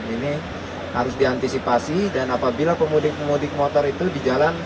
ini harus diantisipasi dan apabila pemudik motor itu dijalankan